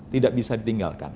tidak bisa ditinggalkan